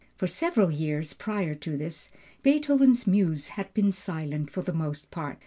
For several years prior to this, Beethoven's muse had been silent for the most part.